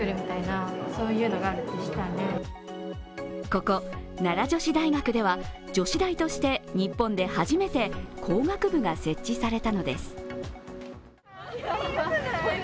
ここ、奈良女子大学では女子大として日本で初めて工学部が設置されたのです。